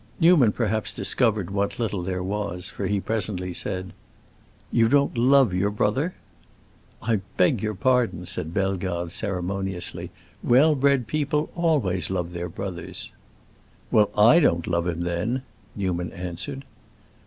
Newman perhaps discovered there what little there was, for he presently said, "You don't love your brother." "I beg your pardon," said Bellegarde, ceremoniously; "well bred people always love their brothers." "Well, I don't love him, then!" Newman answered.